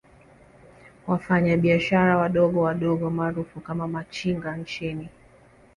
Wafanya biashara wadogo wadogo maarufu kama Machinga nchini